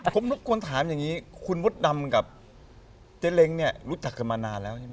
ผมรบกวนถามอย่างนี้คุณมดดำกับเจ๊เล้งเนี่ยรู้จักกันมานานแล้วใช่ไหม